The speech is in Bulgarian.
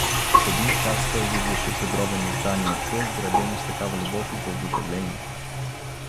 В един час той виждаше подровено зданието, градено с такава любов и въодушевление.